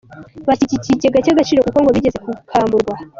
Bashyigikiye ikigega cy’Agaciro kuko ngo bigeze kukamburwa